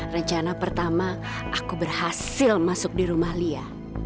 rencana pertama aku berhasil masuk di rumah lia